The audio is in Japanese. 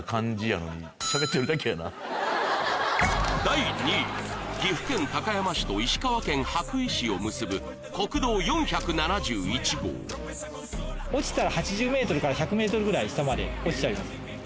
第２位岐阜県高山市と石川県羽咋市を結ぶ国道４７１号落ちたら８０ｍから１００ｍぐらい下まで落ちちゃいます